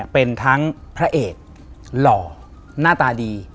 เป็นทั้งพระเอกหล่อหน้าตาดี